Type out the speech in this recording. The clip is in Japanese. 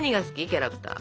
キャラクター。